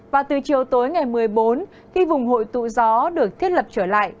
và từ chiều tối ngày một mươi bốn khi vùng hội tụ gió được thiết lập trở lại